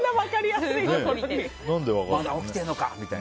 まだ起きてるのかみたいな。